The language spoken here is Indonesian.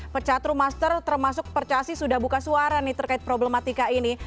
pecatru master termasuk percasi sudah buka suara nih terkait problematika ini